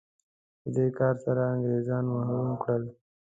په دې کار سره انګرېزان محروم کړل.